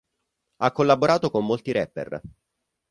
Ha collaborato con molti rapper.